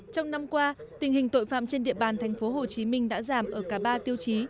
trong năm qua tình hình tội phạm trên địa bàn tp hcm đã giảm ở cả ba tiêu chí